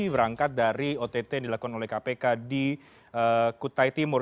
berangkat dari ott yang dilakukan oleh kpk di kutai timur